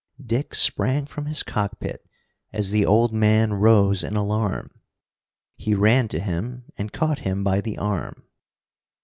Dick sprang from his cockpit as the old man rose in alarm. He ran to him and caught him by the arm.